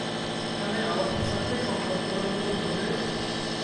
এখানে আবাসিক ছাত্রের সংখ্যা তুলনামূলকভাবে।